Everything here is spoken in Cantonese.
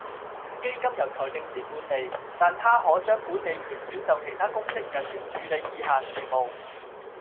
基金由財政司管理，但他可將管理權轉授其他公職人員處理以下事務